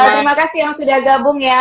terima kasih yang sudah gabung ya